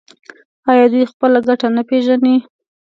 آیا دوی خپله ګټه نه پیژني؟